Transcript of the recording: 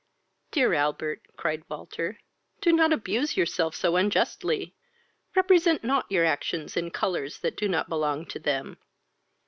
"Dear Albert, (cried Walter,) do not abuse yourself so unjustly: represent not your actions in colours that do not belong to them.